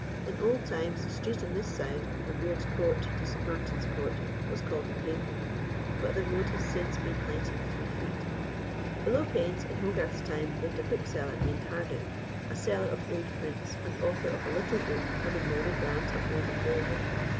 In old times the street on this side, from Beard's Court, to St. Martin's Court, was called the Pavement; but the road has since been heightened three feet. Below Payne's, in Hogarth's time, lived a bookseller named Harding, a seller of old prints, and author of a little book on the Monograms of Old Engravers.